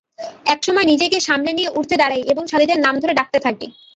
এক সময় নিজকে সামলে নিয়ে উঠে দাঁড়াই এবং সাথিদের নাম ধরে ডাকতে থাকি।